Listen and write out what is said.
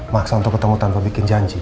maksa untuk ketemu tanpa bikin janji